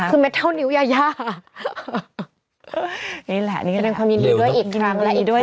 คือเม็ดเท่านิ้วยายานี่แหละนี่ก็เป็นความยินดีด้วยอีกครั้งแล้วอีกด้วย